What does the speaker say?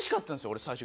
俺最初。